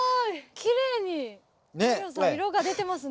きれいに太陽さん色が出てますね。